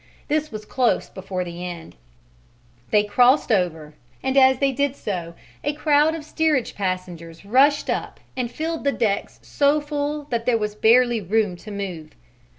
This was close before the end. They crossed over, and as they did so a crowd of steerage passengers rushed up and filled the decks so full that there was barely room to move.